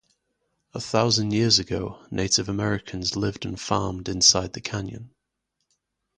A thousand years ago, Native Americans lived and farmed inside the canyon.